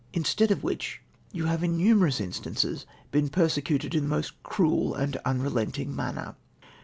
Instead of which, you have in numerous instances been persecuted in the most cruel and unrelenting manner.